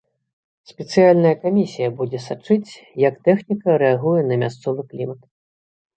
Спецыяльная камісія будзе сачыць, як тэхніка рэагуе на мясцовы клімат.